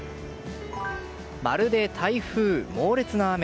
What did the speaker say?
まるで台風、猛烈な雨。